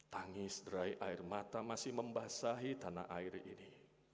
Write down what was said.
tangis derai air mata masih membasahi tanah air ini